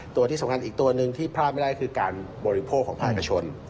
ตัวที่สำคัญอีกตัวหนึ่งที่พลาดไม่ได้คือการบริโภคของภาคเอกชน